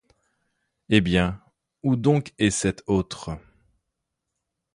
Eh bien, où donc est cette autre?